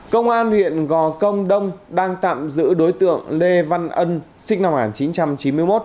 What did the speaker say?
công an huyện gò công đông đang tạm giữ đối tượng lê văn ân sinh năm một nghìn chín trăm chín mươi một